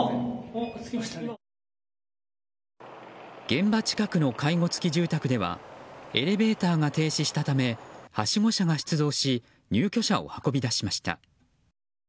現場近くの介護付き住宅ではエレベーターが停止したためはしご車が出動し入居者を運び出しました。